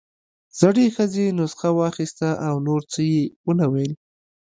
زړې ښځې نسخه واخيسته او نور څه يې ونه ويل.